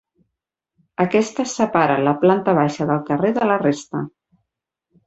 Aquesta separa la planta baixa del carrer de la resta.